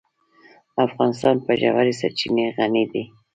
افغانستان په ژورې سرچینې غني دی.